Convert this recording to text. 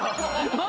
何？